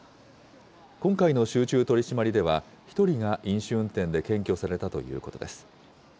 今回の集中取締りでは、１人が飲酒運転で検挙されたということです。